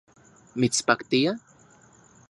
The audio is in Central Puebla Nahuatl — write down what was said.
¿Mitspaktia?